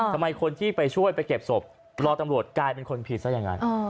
ทำไมคนที่ไปช่วยไปเก็บศพรอตำรวจกลายเป็นคนผิดซะอย่างนั้น